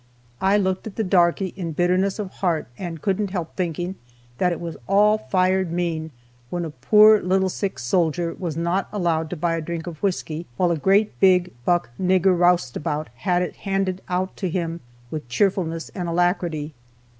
I looked at the darkey in bitterness of heart, and couldn't help thinking that it was all fired mean, when a poor little sick soldier was not allowed to buy a drink of whisky, while a great big buck nigger roustabout had it handed out to him with cheerfulness and alacrity.